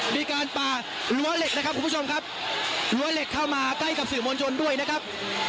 มีการปารั้วเหล็กนะครับคุณผู้ชมครับรั้วเหล็กเข้ามาใกล้กับสื่อมวลชนด้วยนะครับ